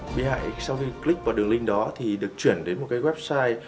bị hại sau khi click vào đường link đó thì được chuyển đến một cái website